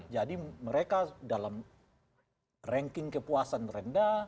jadi mereka dalam ranking kepuasan rendah